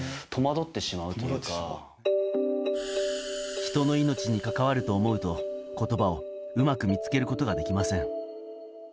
人の命に関わると思うと言葉をうまく見つけることができません。